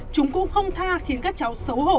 chúng cũng không tha khiến các cháu xấu hổ